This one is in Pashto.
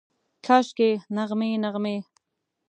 کاشکي، نغمې، نغمې